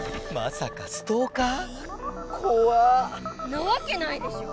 なわけないでしょ！